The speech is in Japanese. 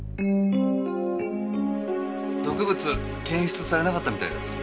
毒物検出されなかったみたいです。